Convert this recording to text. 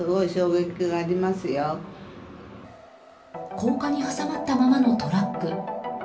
高架に挟まったままのトラック。